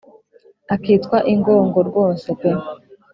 akitwa ingongo rwose pe